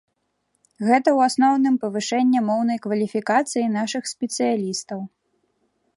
Гэта ў асноўным павышэнне моўнай кваліфікацыі нашых спецыялістаў.